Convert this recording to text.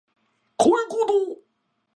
荒野行動